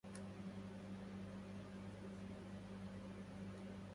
لا أسأل الله في جهمان مسألة